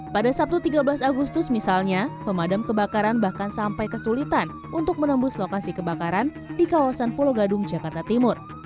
pada sabtu tiga belas agustus misalnya pemadam kebakaran bahkan sampai kesulitan untuk menembus lokasi kebakaran di kawasan pulau gadung jakarta timur